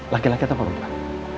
laki laki atau perempuan